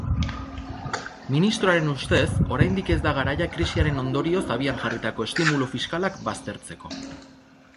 Ministroaren ustez oraindik ez da garaia krisiaren ondorioz abian jarritako estimulu fiskalak baztertzeko.